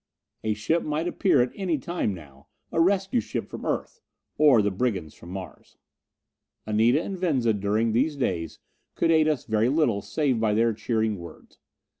A ship might appear at any time now a rescue ship from Earth, or the brigands from Mars. Anita and Venza during these days could aid us very little save by their cheering words.